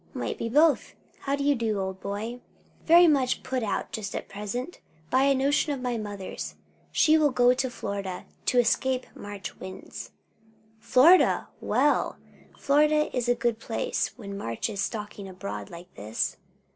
"Might be both. How do you do, old boy?" "Very much put out, just at present, by a notion of my mother's; she will go to Florida to escape March winds." "Florida! Well, Florida is a good place, when March is stalking abroad like this.